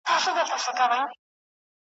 د وطن په محبت باندې قسم خورم